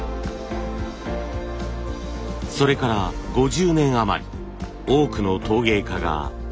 それから５０年余り多くの陶芸家が巣立っていきました。